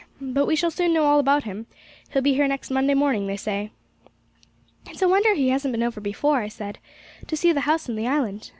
But we shall soon know all about him; he'll be here next Monday morning, they say.' 'It's a wonder he hasn't been over before,' I said, 'to see the house and the island.